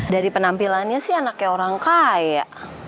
dari penampilannya sih anaknya orang kaya